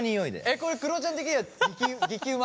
これくろちゃん的には激うま？